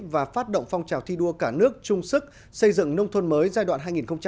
và phát động phong trào thi đua cả nước trung sức xây dựng nông thôn mới giai đoạn hai nghìn một mươi sáu hai nghìn hai mươi